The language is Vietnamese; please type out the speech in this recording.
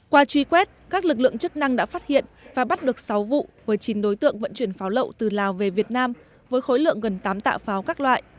qua truy quét các lực lượng chức năng đã phát hiện và bắt được sáu vụ với chín đối tượng vận chuyển pháo lậu từ lào về việt nam với khối lượng gần tám tạ pháo các loại